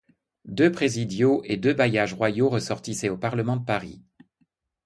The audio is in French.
Deux présidiaux et deux bailliages royaux ressortissaient au Parlement de Paris.